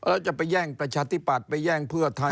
แล้วจะไปแย่งประชาธิปัตย์ไปแย่งเพื่อไทย